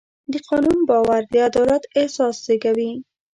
د قانون باور د عدالت احساس زېږوي.